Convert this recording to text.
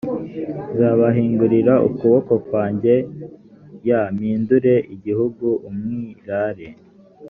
nzababangurira ukuboko kwanjye y mpindure igihugu umwirare